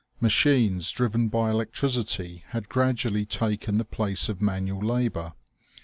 Machines driven by electricity had gradually taken the place of manual labor.